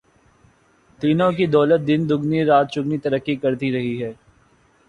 تینوں کی دولت دن دگنی رات چوگنی ترقی کرتی رہی ہے۔